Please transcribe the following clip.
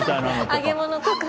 揚げ物とかね。